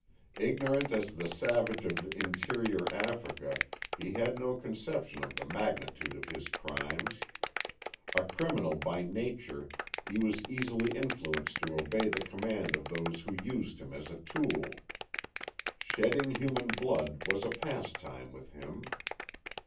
Ignorant as the savage of interior Africa, he had no conception of the magnitude of his crimes. A criminal by nature, he was easily influenced to obey the command of those who used him as a tool. Shedding human blood was a pastime with him.